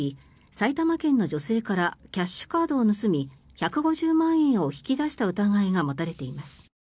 埼玉県の女性からキャッシュカードを盗み１５０万円を引き出した疑いが持たれています。